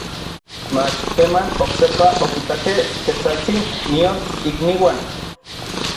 mach keman oksepa okitakej Ketsaltsin nion ikniuan.